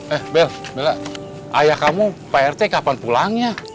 eh bel bella ayah kamu pak rt kapan pulangnya